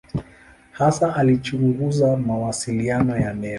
Hasa alichunguza mawasiliano ya neva.